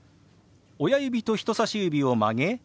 親指と人さし指を曲げ